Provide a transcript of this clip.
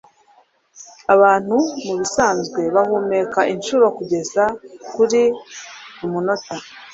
Abantu mubisanzwe bahumeka inshuro kugeza kuri kumunota.